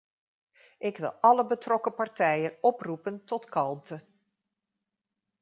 Ik wil alle betrokken partijen oproepen tot kalmte.